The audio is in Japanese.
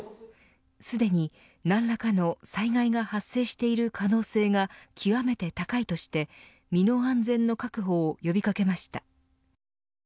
すでに何らかの災害が発生している可能性が極めて高いとして身の安全の確保を呼び掛けました。